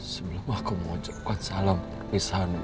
sebelum aku mengucapkan salam perpisahan untukmu